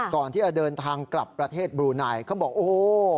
ก่อนที่จะเดินทางกลับประเทศบลูไนเขาบอกโอ้